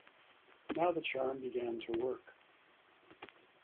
Now the charm began to work.